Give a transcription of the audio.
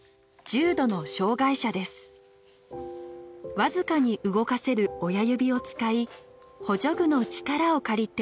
わずかに動かせる親指を使い補助具の力を借りて食事をします。